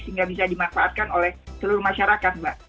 sehingga bisa dimanfaatkan oleh seluruh masyarakat mbak